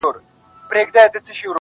چي مرور نه یم، چي در پُخلا سم تاته.